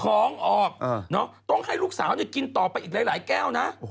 ของออกต้องให้ลูกสาวกินต่อไปอีกหลายแก้วนะ